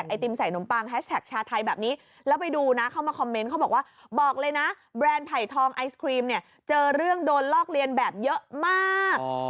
มมมไปดูนะเข้ามาว่าบอกเลยนะแบรนด์ถ่ายทองไอศครีมเนี่ยเจอเรื่องโดนลอกเรียนแบบเยอะมาก